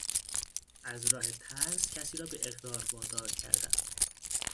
از راه ترس کسی را به اقرار وادار کردن